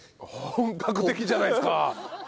本格的じゃないですか！